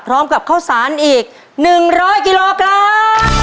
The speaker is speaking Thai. พร้อมกับข้าวสารอีก๑๐๐กิโลกรัม